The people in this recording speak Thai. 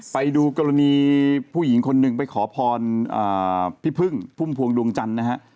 ไปดูกรณีผู้หญิงคนหนึ่งไปขอพรพี่พึ่งพุ่มพวงดวงจันทร์นะฮะ